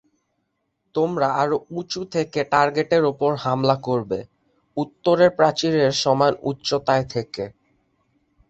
তোমরা আরো উঁচু থেকে টার্গেটের ওপর হামলা করবে, উত্তরের প্রাচীরের সমান উচ্চতায় থেকে।